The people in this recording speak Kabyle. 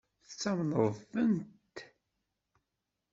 Tettamneḍ-tent?